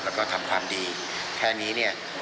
แล้วก็ทำความดีแค่นี้เนี่ย